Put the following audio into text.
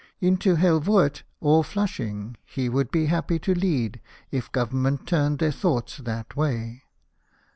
Into Helvoet or Flushing he should be happy to lead if Government turned their thoughts that way.